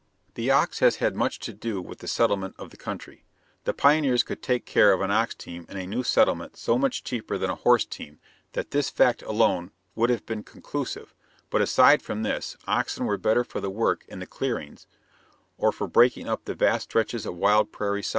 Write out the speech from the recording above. The ox has had much to do with the settlement of the country. The pioneers could take care of an ox team in a new settlement so much cheaper than a horse team that this fact alone would have been conclusive; but aside from this, oxen were better for the work in the clearings or for breaking up the vast stretches of wild prairie sod.